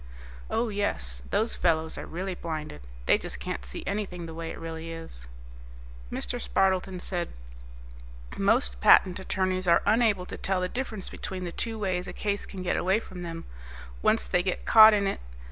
"Oh yes. Those fellows are really blinded. They just can't see anything the way it really is." Mr. Spardleton said, "Most patent attorneys are unable to tell the difference between the two ways a case can get away from them, once they get caught in it.